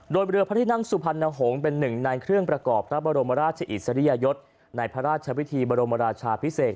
โดยเรือพระที่นั่งสุพรรณหงษ์เป็นหนึ่งในเครื่องประกอบพระบรมราชอิสริยยศในพระราชวิธีบรมราชาพิเศษ